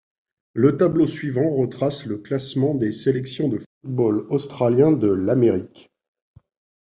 Le tableau suivant retrace le classement des sélections de football australien de l'Amérique.